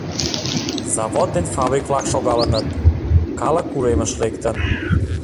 Завод ден фабрик-влак шогалыныт, калык уремыш лектын.